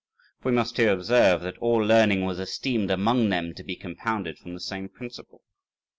For we must here observe that all learning was esteemed among them to be compounded from the same principle.